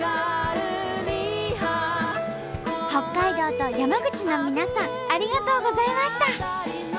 北海道と山口の皆さんありがとうございました！